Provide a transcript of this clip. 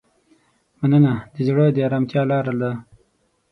مننه د زړه د ارامتیا لاره ده.